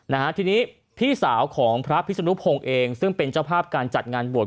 นะฮะทีนี้พี่สาวของพระพิสุนุพงศ์เองซึ่งเป็นเจ้าภาพการจัดงานบวช